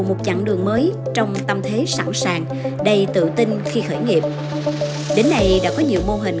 một chặng đường mới trong tâm thế sẵn sàng đầy tự tin khi khởi nghiệp đến nay đã có nhiều mô hình